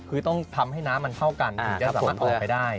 คือต้องทำให้น้ำมันเข้ากันถึงจะสามารถออกไปได้